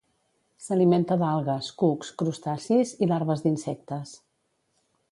S'alimenta d'algues, cucs, crustacis i larves d'insectes.